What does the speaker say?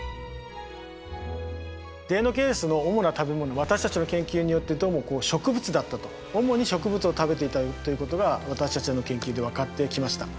デイノケイルスの主な食べ物私たちの研究によってどうもこう植物だったと主に植物を食べていたということが私たちの研究で分かってきました。